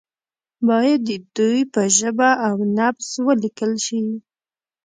باید د دوی په ژبه او نبض ولیکل شي.